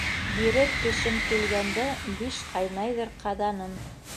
Бирер кешем килгәндә, биш ҡайнайҙыр ҡаҙаным.